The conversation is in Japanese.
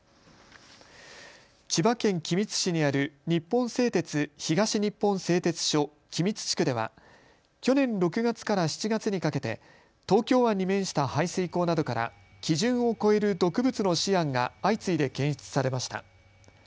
千葉県君津市にある日本製鉄東日本製鉄所君津地区では去年６月から７月にかけて東京湾に面した排水口などから基準を超える毒物のシアンが相次いで検出されました。